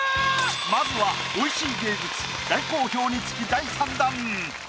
まずは美味しい芸術大好評につき第３弾。